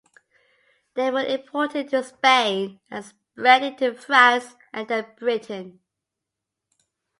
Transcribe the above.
They were imported into Spain and spread into France and then Britain.